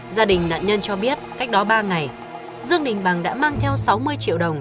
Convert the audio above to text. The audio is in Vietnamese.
gia đình nạn nhân cho biết cách đó ba ngày dương đình bằng đã mang theo sáu mươi triệu đồng